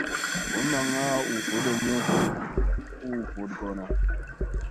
Boy maŋŋa u vodomu huu vogoɗona.